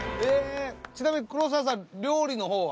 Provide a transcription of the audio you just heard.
ちなみに黒沢さん料理のほうは？